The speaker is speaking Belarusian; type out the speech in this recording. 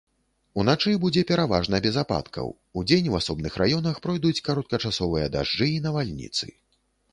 Уначы будзе пераважна без ападкаў, удзень у асобных раёнах пройдуць кароткачасовыя дажджы і навальніцы.